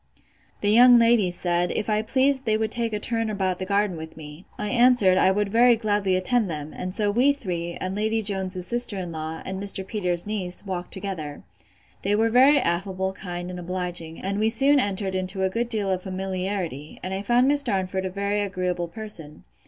The young ladies said, If I pleased they would take a turn about the garden with me. I answered, I would very gladly attend them; and so we three, and Lady Jones's sister in law, and Mr. Peters's niece, walked together. They were very affable, kind, and obliging; and we soon entered into a good deal of familiarity; and I found Miss Darnford a very agreeable person.